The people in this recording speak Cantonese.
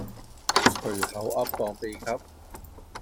隨口噏當秘笈